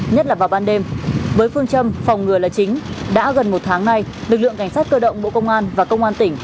nhất là vào ban đêm với phương châm phòng ngừa là chính đã gần một tháng nay lực lượng cảnh sát cơ động bộ công an và công an tỉnh